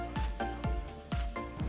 sayur asin ini adalah fermentasi